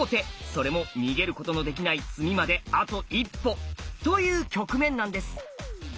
それも逃げることのできない「詰み」まであと一歩という局面なんです。